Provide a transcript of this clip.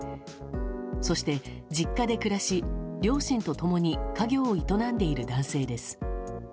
そして実家で暮らし両親とともに家業を営んでいる男性です。